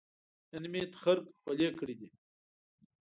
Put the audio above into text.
نن مې تخرګ خولې کړې دي